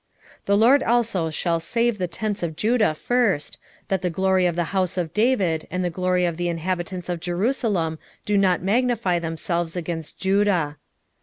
12:7 The LORD also shall save the tents of Judah first, that the glory of the house of David and the glory of the inhabitants of Jerusalem do not magnify themselves against Judah.